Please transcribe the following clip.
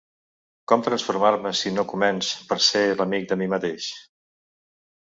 Com transformar-me si no començ per ser l’amic de mi mateix?